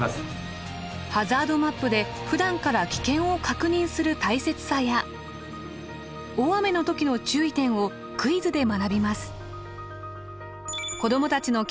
ハザードマップでふだんから危険を確認する大切さや大雨の時の注意点をクイズで学びます。